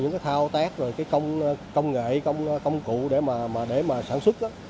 những thao tác công nghệ công cụ để sản xuất